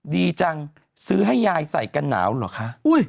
ดีจังซื้อให้ยายใส่กันหนาวเหรอคะ